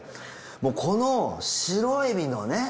もうこのシロエビのね